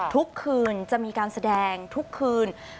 ทุกคืนจะมีการแสดงทุกคืน